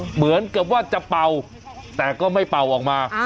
เหมือนกับว่าจะเป่าแต่ก็ไม่เป่าออกมา